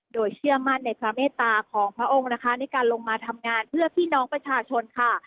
โดยเชื่อมั่นในพระเมตตาของพระองค์นะคะในการลงมาทำงานเพื่อพี่น้องประชาชนค่ะ